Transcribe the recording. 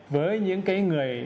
với những cái người